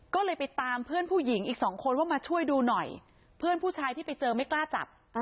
ก็เลยไปตามเพื่อนผู้หญิงอีกสองคนว่ามาช่วยดูหน่อยเพื่อนผู้ชายที่ไปเจอไม่กล้าจับ